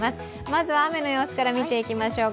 まずは雨の様子から見てまいりましょう。